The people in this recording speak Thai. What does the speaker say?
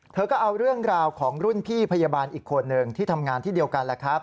เธอก็เอาเรื่องราวของรุ่นพี่พยาบาลอีกคนหนึ่งที่ทำงานที่เดียวกันแหละครับ